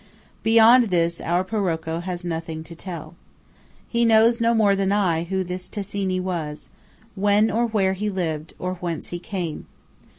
Beyond this, our Parocco has nothing to tell. He knows no more than I, who this Ticini was; when or where he lived; or whence he came.